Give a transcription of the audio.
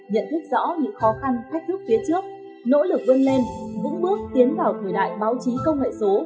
nhận thức rõ những khó khăn thách thức phía trước nỗ lực vươn lên vững bước tiến vào thời đại báo chí công nghệ số